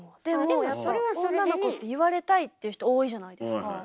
でもやっぱ女の子って言われたいっていう人多いじゃないですか。